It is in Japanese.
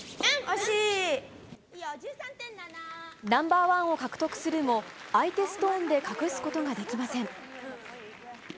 ナンバーワンを獲得するも相手ストーンで隠すことができません。